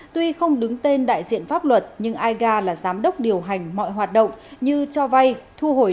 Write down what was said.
tuy không đứng tên đại diện pháp luật nhưng aiga là giám đốc điều hành mọi hoạt động như cho vay thu hồi